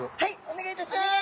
お願いいたします。